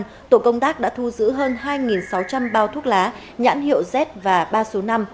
huệ đã thu giữ hơn hai sáu trăm linh bao thuốc lá nhãn hiệu z và ba số năm